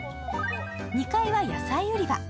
２階は野菜売り場。